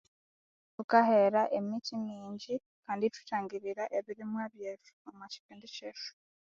Thukahera emithi mingyi kandi ithwithangirira ebirimwa byethu omwa ekyipindi kyethu